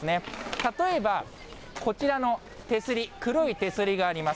例えばこちらの手すり、黒い手すりがあります。